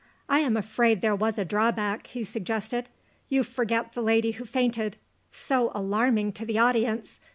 "I am afraid there was a drawback," he suggested. "You forget the lady who fainted. So alarming to the audience.